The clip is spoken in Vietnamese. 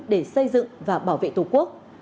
để xây dựng và bảo vệ tổ quốc